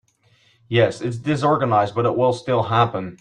Yes, it’s disorganized but it will still happen.